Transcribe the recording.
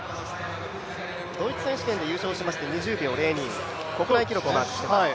ドイツ選手権で優勝しまして、２０秒０２、国内記録をマークしています。